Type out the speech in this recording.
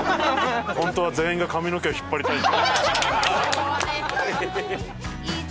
本当は全員が髪の毛を引っ張りたい。